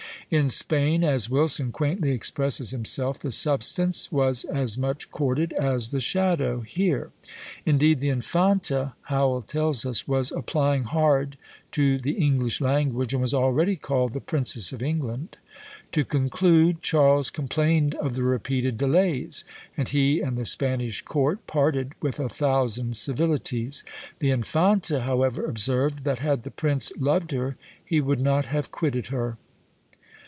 In Spain (as Wilson quaintly expresses himself) the substance was as much courted as the shadow here. Indeed the Infanta, Howel tells us, was applying hard to the English language, and was already called the Princess of England. To conclude, Charles complained of the repeated delays; and he and the Spanish court parted with a thousand civilities. The Infanta however observed, that had the Prince loved her, he would not have quitted her."